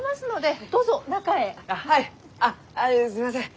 あっすいません。